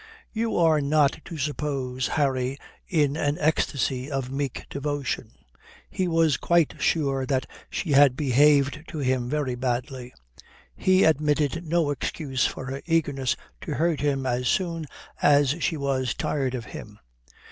You are not to suppose Harry in an ecstasy of meek devotion. He was quite sure that she had behaved to him very badly. He admitted no excuse for her eagerness to hurt him as soon as she was tired of him.